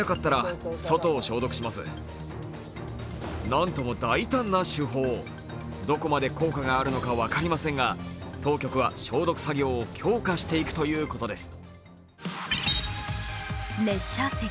なんとも大胆な手法、どこまで効果があるのか分かりませんが当局は消毒作業を強化していくということです。